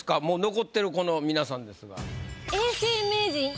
残ってるこの皆さんですが。